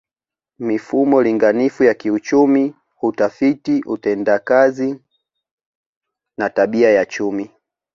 Mifumo linganifu ya kiuchumi hutafiti utendakazi na tabia ya chumi